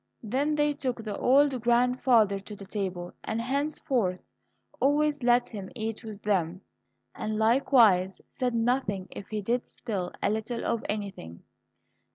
Then they took the old grandfather to the table, and henceforth always let him eat with them, and likewise said nothing if he did spill a little of anything.